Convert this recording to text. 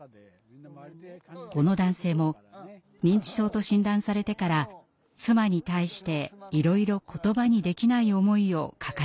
この男性も認知症と診断されてから妻に対していろいろ言葉にできない思いを抱えているようでした。